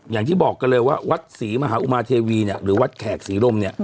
อย่างที่บอกกันเลยว่าวัดศรีมหาอุมาเทวีหรือวัดแขกศรีรม